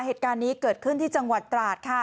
เหตุการณ์นี้เกิดขึ้นที่จังหวัดตราดค่ะ